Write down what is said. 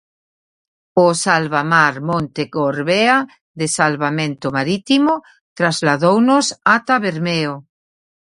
O Salvamar Monte Gorbea de Salvamento Marítimo trasladounos ata Bermeo.